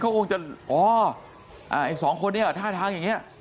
เขากลงจะอ๋ออ่าไอ้สองคนเนี้ยอ่ะท่าทางอย่างเงี้ย